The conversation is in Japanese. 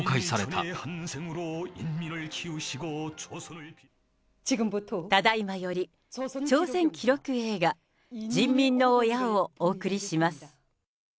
ただ今より朝鮮記録映画、人民の親をお送りします。